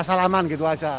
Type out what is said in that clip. asal aman gitu aja